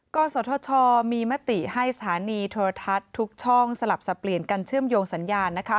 กศธชมีมติให้สถานีโทรทัศน์ทุกช่องสลับสับเปลี่ยนกันเชื่อมโยงสัญญาณ